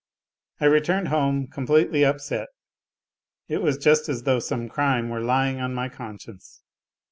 I returned home completely upset, it was just as though some crime were lying on my conscience.